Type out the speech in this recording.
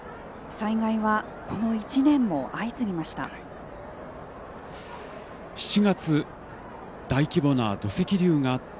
災害はこの一年も相次ぎました。